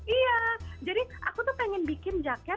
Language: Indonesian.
iya jadi aku tuh pengen bikin jaket